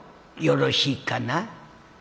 よろしいかな。